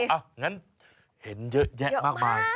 อ้าวอย่างนั้นเห็นเยอะแยะมาก